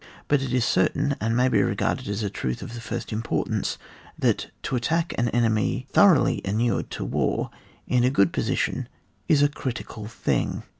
But it is certain, and may be regarded as a truth of the first importance, that to attack an enemy thoroughly inured to war, in a good position, is a critical thing.